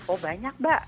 oh banyak mbak